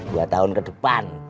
dua tahun ke depan